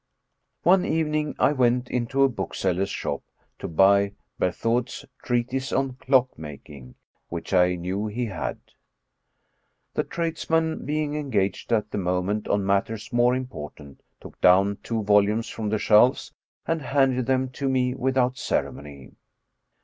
One evening I went into a bookseller's shop to buy Ber thoud's " Treatise on Clockmaking,*' which I knew he had. The tradesman being engaged at the moment on matters more important, took down two volumes from the shelves and handed them to me without ceremony.